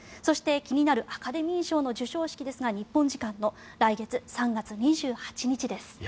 そして、気になるアカデミー賞の授賞式ですが日本時間の来月３月２８日です。